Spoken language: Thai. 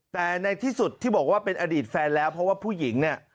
แต่ในที่สุดที่บอกว่าเป็นอดีตแฟนแล้วเพราะว่าผู้หญิงเนี่ย